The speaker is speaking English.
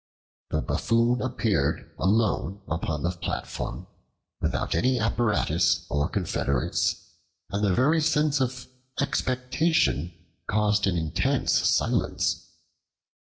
The Buffoon appeared alone upon the platform, without any apparatus or confederates, and the very sense of expectation caused an intense silence.